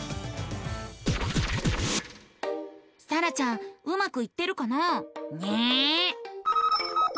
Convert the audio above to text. さらちゃんうまくいってるかな？ね。